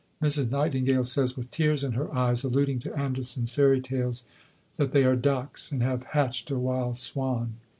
Mrs. Nightingale says with tears in her eyes (alluding to Andersen's Fairy Tales), that they are ducks, and have hatched a wild swan.